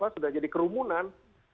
sudah jadi kerumunan